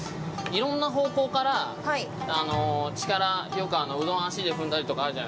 いろんな方向から力よくうどん足で踏んだりとかあるじゃないですか。